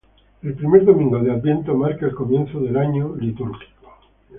El primer domingo de Adviento marca el comienzo del año litúrgico.